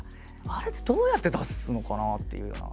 あれってどうやって出すのかなっていうような。